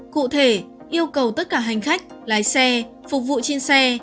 cụ thể yêu cầu tất cả hành khách lái xe phục vụ trên xe